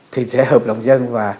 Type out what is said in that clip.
thì sẽ hợp lòng dân và